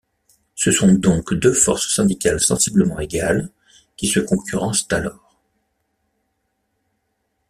Ce sont donc deux forces syndicales sensiblement égales qui se concurrencent alors.